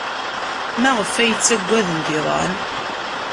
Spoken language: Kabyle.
Maɣef ay ttaggadent iḍan?